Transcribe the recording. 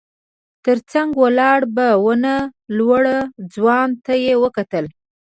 تر څنګ ولاړ په ونه لوړ ځوان ته يې وکتل.